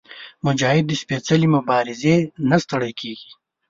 مجاهد د سپېڅلې مبارزې نه ستړی کېږي.